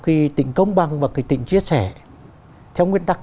cái tỉnh công bằng và cái tỉnh chia sẻ theo nguyên tắc